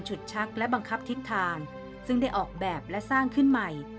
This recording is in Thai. ชักและบังคับทิศทางซึ่งได้ออกแบบและสร้างขึ้นใหม่